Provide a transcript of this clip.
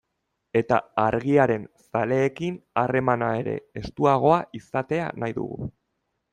Eta Argiaren zaleekin harremana ere estuagoa izatea nahi dugu.